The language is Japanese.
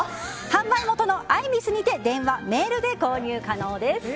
販売元のアイビスにて電話、メールで購入可能です。